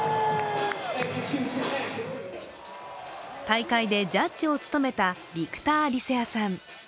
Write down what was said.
大会でジャッジを務めたビクター・アリセアさん。